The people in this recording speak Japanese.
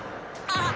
ああ！